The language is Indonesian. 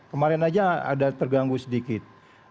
kemarin aja ada terganggu sedikit